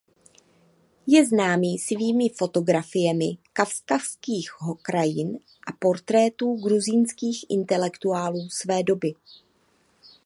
Je známý svými fotografiemi kavkazských krajin a portrétů gruzínských intelektuálů své doby.